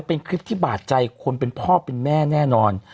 เป็นคลิปที่บาดใจคนเป็นพ่อเป็นแม่แน่นอน